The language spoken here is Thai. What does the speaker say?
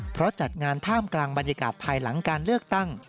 เพราะจัดงานท่ามกลางบรรยากาศภายหลังการเลือกตั้ง